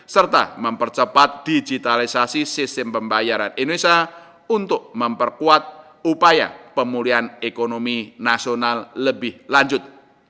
serta mempercepat digitalisasi sistem pembayaran indonesia untuk memperkuat upaya pemulihan ekonomi nasional lebih lanjut